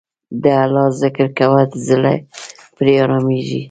د الله ذکر کوه، زړه پرې آرامیږي.